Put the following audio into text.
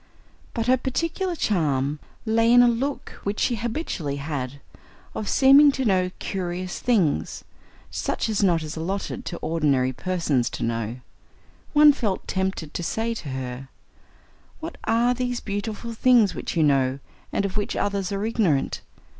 But her particular charm lay in a look which she habitually had, of seeming to know curious things such as it is not allotted to ordinary persons to know. One felt tempted to say to her: "What are these beautiful things which you know, and of which others are ignorant?